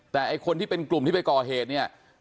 แต่ไอ้คนที่เป็นกลุ่มที่ไปก่อเหตุเนี่ย